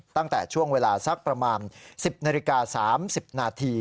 ตั้งแต่ช่วงเวลาสักประมาณ๑๐นาฬิกา๓๐นาที